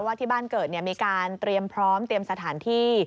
ที่บ้านเกิดมีการเตรียมพร้อมเตรียมสถานที่